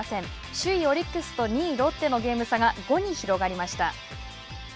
首位オリックスと２位ロッテのゲーム差が５に広がりました。